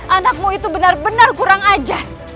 anakmu itu benar benar kurang ajar